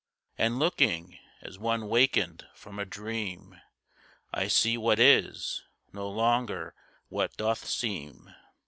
And looking, as one wakened from a dream, I see what is—no longer what doth seem.